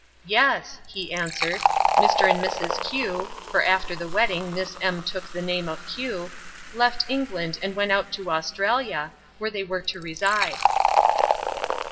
"Yes," he answered, "Mr. and Mrs. Q— for after the wedding Miss M. took the name of Q— left England and went out to Australia, where they were to reside."